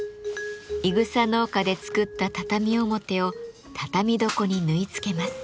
いぐさ農家で作った畳表を畳床に縫い付けます。